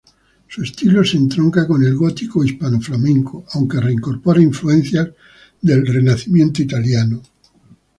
Su estilo se entronca con el gótico hispanoflamenco, aunque incorpora influencias del Renacimiento italiano.